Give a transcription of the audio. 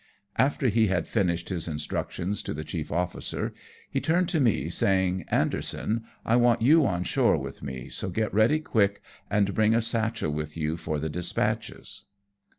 After he had finished his instructions to the chief officer, he turned to me, saying, " Anderson, I want you on shore with me, so get ready quick and bring a satchel with you for the dispatches."